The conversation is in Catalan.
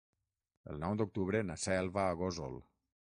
El nou d'octubre na Cel va a Gósol.